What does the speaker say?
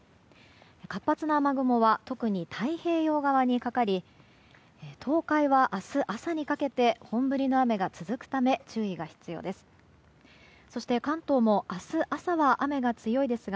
活発な雨雲は特に太平洋側にかかり東海は、明日朝にかけて本降りの雨が続くため注意が必要です。